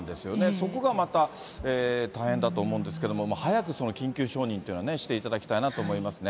そこがまた大変だと思うんですけど、早く緊急承認というのをしていただきたいなと思いますね。